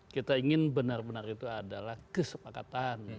kita ingin benar benar itu adalah kesepakatan